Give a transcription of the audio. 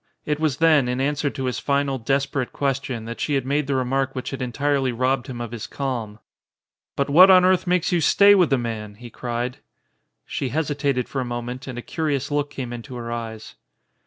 It was then, in answer to his final, desperate question, that she had made the remark which had entirely robbed him of his calm. "But what on earth makes you stay with the man?" he cried. She hesitated for a moment and a curious look came into her eyes.